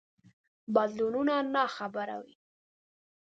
بدلونونو ناخبره وي.